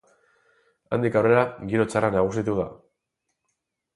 Handik aurrera, giro txarra nagusitu da.